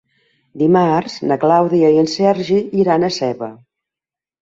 Dimarts na Clàudia i en Sergi iran a Seva.